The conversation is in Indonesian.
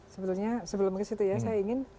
sebetulnya sebelumnya saya ingin